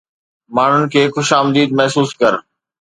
ماڻهن کي خوش آمديد محسوس ڪر